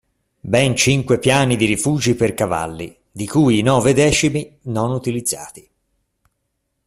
Ben cinque piani di rifugi per cavalli, di cui i nove decimi non utilizzati.